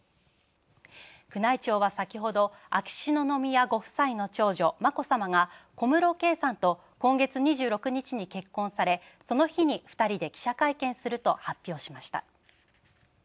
宮内庁は先ほど、秋篠宮家ご夫妻の長女、眞子さまが小室圭さんと今月２６日に結婚されその日に２人で記者会見すると発表しました。